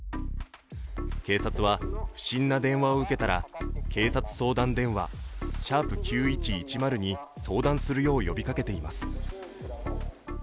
警察は、不審な電話を受けたら警察相談電話♯９１１０に相談するよう呼びかけています。